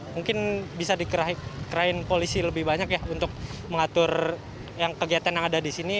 mungkin bisa dikerahin polisi lebih banyak ya untuk mengatur kegiatan yang ada di sini